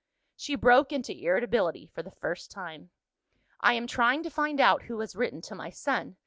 She broke into irritability, for the first time. "I am trying to find out who has written to my son.